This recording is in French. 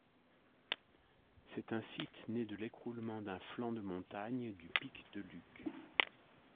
C’est un site né de l'écroulement d'un flanc de montagne du pic de Luc.